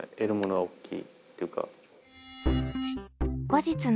はい。